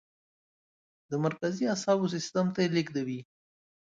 د مرکزي اعصابو سیستم ته یې لیږدوي.